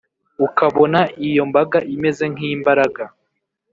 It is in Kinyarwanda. ukabona iyo mbaga imeze nk’imbagara